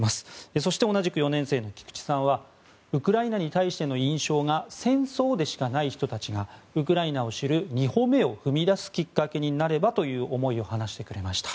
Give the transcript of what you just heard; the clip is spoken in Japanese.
そして同じく４年生の菊地さんはウクライナに対しての印象が戦争でしかない人たちがウクライナを知る２歩目を踏み出すきっかけになればという思いを話してくれました。